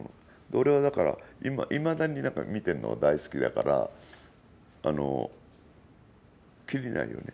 俺はだから、いまだに見てるのが大好きだからきりないよね。